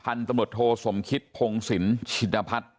ตำรวจโทสมคิตพงศิลป์ชินพัฒน์